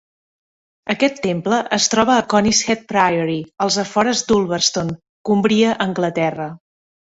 Aquest temple es troba a Conishead Priory als afores d'Ulverston, Cumbria, Anglaterra.